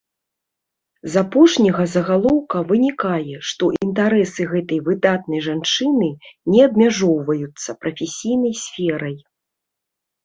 З апошняга загалоўка вынікае, што інтарэсы гэтай выдатнай жанчыны не абмяжоўваюцца прафесійнай сферай.